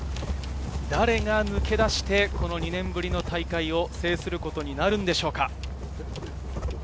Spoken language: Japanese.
誰が抜け出して、この２年ぶりの大会を制することがなるんでしょうか。